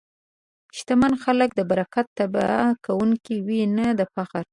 شتمن خلک د برکت طلب کوونکي وي، نه د فخر.